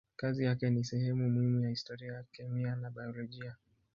Kazi yake ni sehemu muhimu ya historia ya kemia na biolojia.